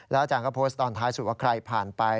อาจารย์ก็โพสต์ตอนท้ายสุดว่าใครผ่านไป